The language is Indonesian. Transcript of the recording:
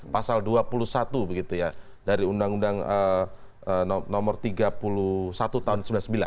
pasal dua puluh satu begitu ya dari undang undang nomor tiga puluh satu tahun seribu sembilan ratus sembilan puluh sembilan